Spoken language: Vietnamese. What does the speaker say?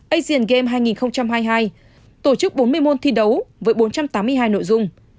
asian game hai nghìn hai mươi hai tổ chức bốn mươi môn thi đấu với bốn trăm tám mươi hai nội dung